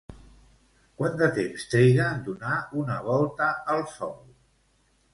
Quant de temps triga en donar una volta al sol?